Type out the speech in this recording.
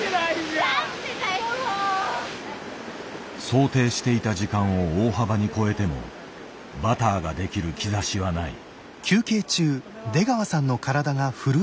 想定していた時間を大幅に超えてもバターが出来る兆しはない。